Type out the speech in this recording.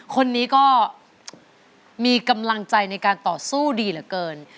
คนนี้ก็มีกำลังใจในการต่อสู้ดีเหลือเกิน